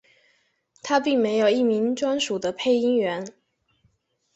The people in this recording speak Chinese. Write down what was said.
它并没有一名专属的配音员。